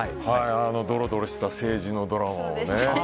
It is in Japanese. どろどろした政治のドラマをね。